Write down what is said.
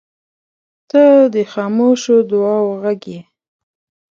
• ته د خاموشو دعاوو غږ یې.